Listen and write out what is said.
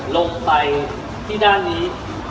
ลงไปที่ด้านนี้